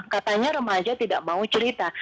katanya remaja tidak mau cerita